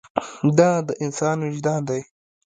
دا د انسان وجدان دی.